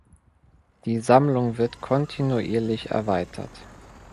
Die Sammlung wird kontinuierlich erweitert.